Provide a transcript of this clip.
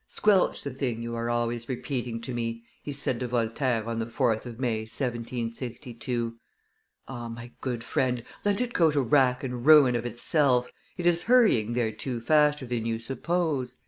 "Squelch the thing! you are always repeating to me," he said to Voltaire on the 4th of May, 1762. "Ah! my good friend, let it go to rack and ruin of itself, it is hurrying thereto faster than you suppose."